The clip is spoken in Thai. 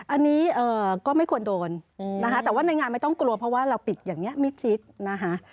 อันนี้ก็ไม่ควรโดนนะคะแต่ว่าในงานไม่ต้องกลัวเพราะว่าเราปิดอย่างนี้มิดชิดนะคะ